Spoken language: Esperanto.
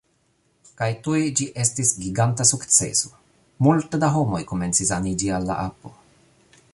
Kaj tuj ĝi estis giganta sukceso! Multe da homoj komencis aniĝi al la apo